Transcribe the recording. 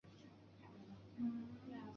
萨勒诺夫人口变化图示